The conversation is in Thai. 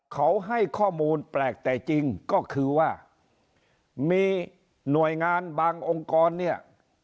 เขาให้ข้อมูลแปลกแต่จริงก็คือว่ามีหน่วยงานบางองค์กรเนี่ย